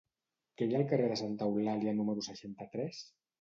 Què hi ha al carrer de Santa Eulàlia número seixanta-tres?